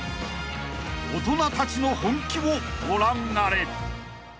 ［大人たちの本気をご覧あれ］